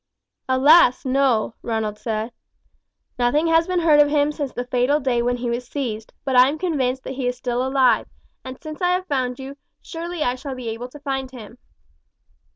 "Alas, no!" Ronald said. "Nothing has been heard of him since the fatal day when he was seized; but I am convinced that he is still alive, and since I have found you, surely I shall be able to find him."